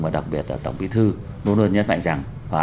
và đặc biệt là tổng bí thư luôn luôn nhấn mạnh rằng